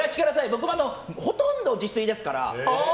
僕、ほとんど自炊ですから。